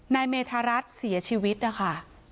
นายเมธารัฐเสียชีวิตนะคะ